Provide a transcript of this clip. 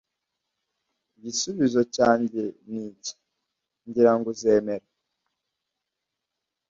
igisubizo cyanjye niki, ngira ngo uzemera